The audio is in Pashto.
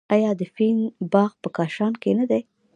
آیا د فین باغ په کاشان کې نه دی؟